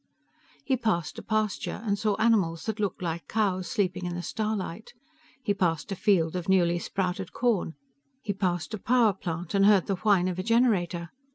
He passed a pasture, and saw animals that looked like cows sleeping in the starlight. He passed a field of newly sprouted corn. He passed a power plant, and heard the whine of a generator.